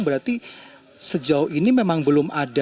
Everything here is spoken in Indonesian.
berarti sejauh ini memang belum ada